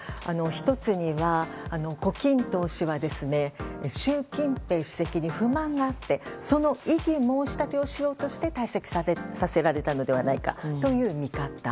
１つには胡錦涛氏は習近平氏に不満があってその異議申し立てをしようとして退席させられたのではないかという見方。